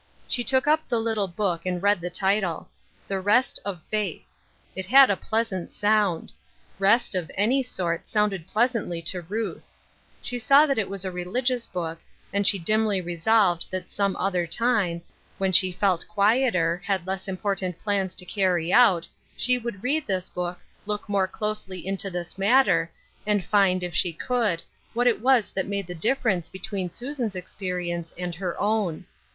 She took up the little book and read the title .^ The Rest of Faith." It had a pleasant sound Rest of any sort sounded pleasantly to Ruth, She saw that it was a religious book, and she dimly resolved that some other time, when she 2546' Ruth Erskine'i CroBses. felt quieter, had less important plans to carry out, she would read this book, look more closely into this matter, and find, if she could, what it was that made the difference between Susan's experience and her own.